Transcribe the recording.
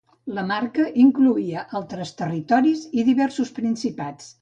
La marca incloïa altres territoris i diversos principats.